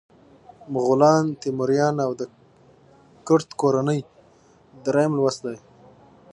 مغولان، تیموریان او د کرت کورنۍ دریم لوست دی.